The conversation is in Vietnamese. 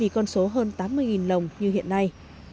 có hơn tám mươi lồng như hiện nay